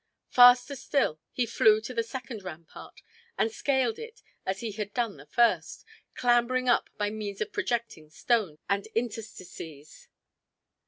Faster still, he flew to the second rampart and scaled it as he had done the first, clambering up by means of projecting stones and interstices.